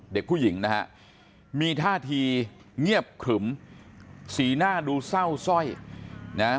เด็กผู้หญิงนะฮะมีท่าทีเงียบขรึมสีหน้าดูเศร้าสร้อยนะฮะ